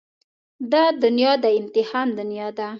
دا دنيا د امتحان دنيا ده.